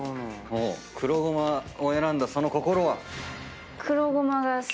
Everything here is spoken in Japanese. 黒ごまを選んだその心は？